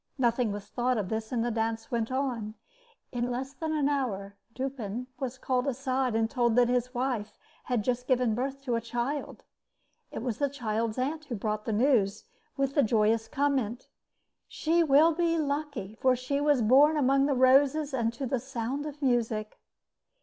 Nothing was thought of this, and the dance went on. In less than an hour, Dupin was called aside and told that his wife had just given birth to a child. It was the child's aunt who brought the news, with the joyous comment: "She will be lucky, for she was born among the roses and to the sound of music."